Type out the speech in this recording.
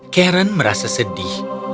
karen merasa sedih